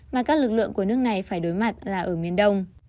mà các lực lượng của nước này phải đối mặt là ở miền đông